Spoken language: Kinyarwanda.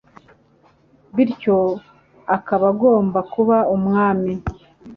bityo akaba agomba kuba umwami,